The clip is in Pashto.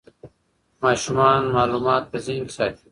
ماشومان معلومات په ذهن کې ساتي.